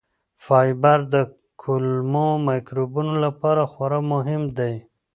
فایبر د کولمو مایکروبونو لپاره خورا مهم دی.